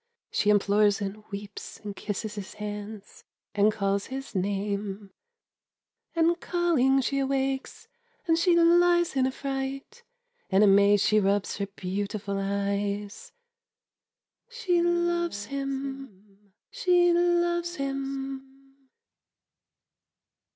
She implores and weeps and kisses his hands, And calls his name, And calling she awakes, and she lies in affright, And amazed she rubs her beautiful eyes, She loves him! she loves him!"